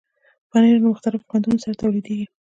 پنېر له مختلفو خوندونو سره تولیدېږي.